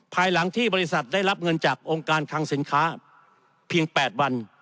ภายหลังที่บริษัทได้รับเงินจากองค์การคังสินค้าเพียง๘วัน